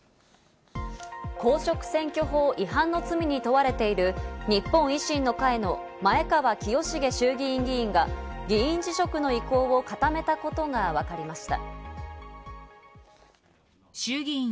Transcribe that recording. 公職選挙法違反の罪に問われている日本維新の会の前川清成衆議院議員が議員辞職の意向を固めたことがわかりました。